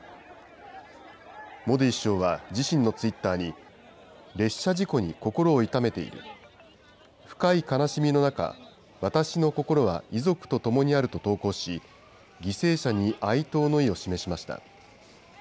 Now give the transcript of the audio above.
モディ首相は自身のツイッターに、列車事故に心を痛めている、深い悲しみの中、私の心は遺族とともにあると投稿し、犠牲者に哀悼の意を示しました。